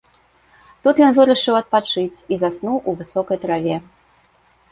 Тут ён вырашыў адпачыць і заснуў у высокай траве.